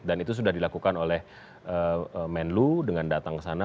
dan itu sudah dilakukan oleh menlu dengan datang ke sana